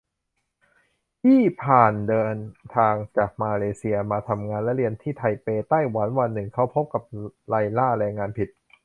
อี้ฝานเดินทางจากมาเลเซียมาทำงานและเรียนที่ไทเป ไต้หวัน วันหนึ่งเขาพบกับไลล่า แรงงานผิด